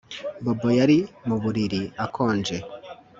Bobo yari mu buriri akonje